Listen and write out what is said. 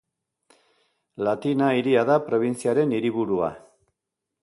Latina hiria da probintziaren hiriburua.